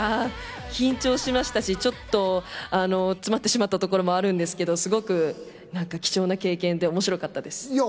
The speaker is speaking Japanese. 緊張しましたし、詰まってしまったところもあるんですけど、すごく貴重な経験で面白かったです。